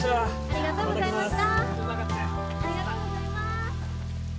ありがとうございます。